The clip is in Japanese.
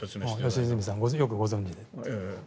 良純さんよくご存じで。